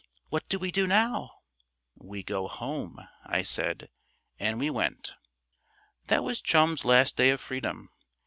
What do we do now?" "We go home," I said, and we went. That was Chum's last day of freedom.